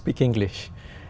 và bình tĩnh